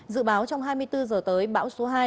dự báo trong hai mươi bốn giờ tới bão số hai